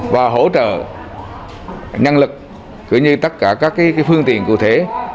và hỗ trợ nhân lực cũng như tất cả các phương tiện cụ thể